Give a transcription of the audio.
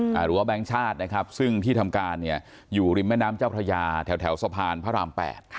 หรือว่าแบงค์ชาตินะครับซึ่งที่ทำการเนี่ยอยู่ริมแม่น้ำเจ้าพระยาแถวสะพานพระราม๘